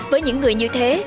với những người như thế